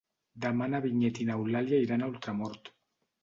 Demà na Vinyet i n'Eulàlia iran a Ultramort.